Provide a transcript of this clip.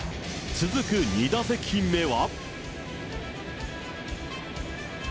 続く２打席目は。